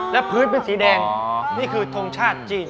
และพื้นเป็นสีแดงนี่คือทงชาติจีน